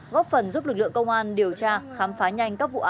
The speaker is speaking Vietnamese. góp phần giúp lực lượng công an điều tra khám phá nhanh các vụ án xảy ra